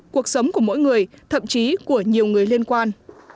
cuộc sống của mỗi người thậm chí của nhiều người liên quan